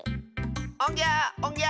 おんぎゃおんぎゃ！